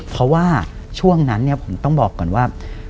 เพราะว่าช่วงนั้นเนี่ยผมต้องบอกก่อนว่า